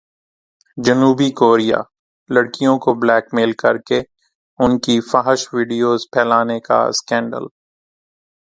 جنوبی کوریا لڑکیوں کو بلیک میل کرکے ان کی فحش ویڈیوز پھیلانے کا اسکینڈل